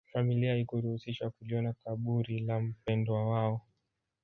familia haikuruhusiwa kuliona kaburi la mpwendwa wao